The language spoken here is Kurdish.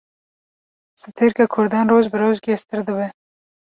Stêrka Kurdan, roj bi roj geştir dibe